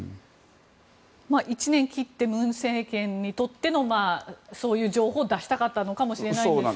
１年切って文政権にとってのそういう情報を出したかったのかもしれませんが。